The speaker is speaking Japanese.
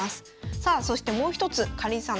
さあそしてもう一つかりんさん